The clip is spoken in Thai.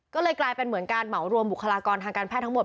ก็เลยกลายเป็นเหมือนการเหมารวมบุคลากรทางการแพทย์ทั้งหมด